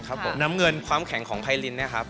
ถึงความแข็งของไพลินนะครับ